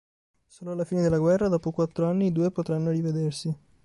Solo alla fine della guerra, dopo quattro anni, i due potranno rivedersi.